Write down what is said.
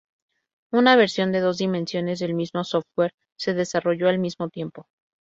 Una versión de dos dimensiones del mismo software se desarrolló al mismo tiempo.